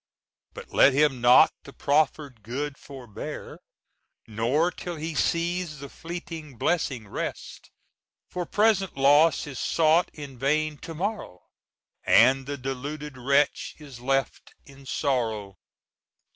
"But let him not the proffered good forbear, Nor till he seize the fleeting blessing rest; For present loss is sought in vain to morrow, And the deluded wretch is left in sorrow."